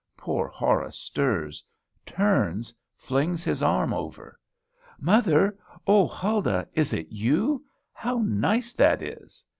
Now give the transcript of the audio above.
Poor Horace stirs, turns, flings his arm over. "Mother O Huldah! is it you? How nice that is!"